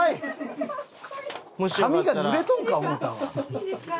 いいんですか？